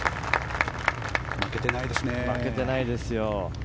負けてないですね。